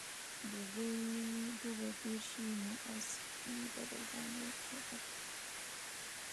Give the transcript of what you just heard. دوبى تېر شي نو اسپې به در باندې خرڅوم